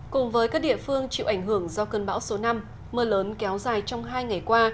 cùng với các địa phương chịu ảnh hưởng do cơn bão số năm mưa lớn kéo dài trong hai ngày qua